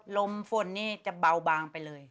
ลมฝนนี่จะเบาบางไปเลย